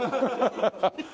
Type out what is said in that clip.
ハハハハッ！